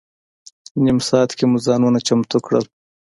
نیم ساعت کې مو ځانونه چمتو کړل.